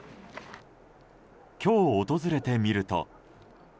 今日、訪れてみると。